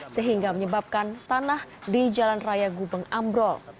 sehingga menyebabkan tanah di jalan raya gubeng ambrol